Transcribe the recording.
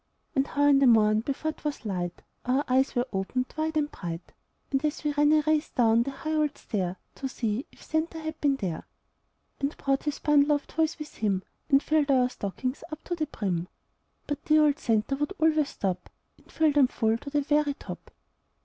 And how in the morn, before 'twas light, Our eyes were opened wide and bright, As we ran a race down the high old stair, To see if "Santa" had been there, And brought his bundle of toys with him, And filled our stockings up to the brim? But dear old "Santa" would always stop And fill them full to the very top.